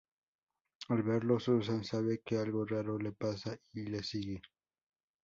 Al verlo, Susan sabe que algo raro le pasa y le sigue.